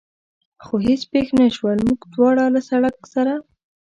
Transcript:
خو هېڅ پېښ نه شول، موږ دواړه له سړک سره.